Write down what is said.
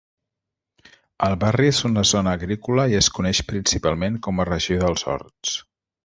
El barri és una zona agrícola i es coneix principalment com a regió dels horts.